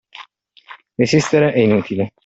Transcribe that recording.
Resistere è inutile.